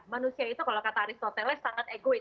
manusia itu kalau kata aristolas sangat egois